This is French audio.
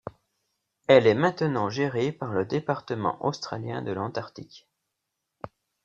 Elle est maintenant gérée par le Département australien de l'Antarctique.